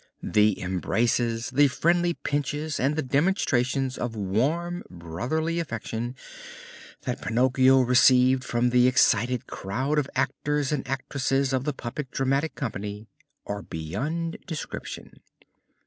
The embraces, the friendly pinches, and the demonstrations of warm brotherly affection that Pinocchio received from the excited crowd of actors and actresses of the puppet dramatic company are beyond description.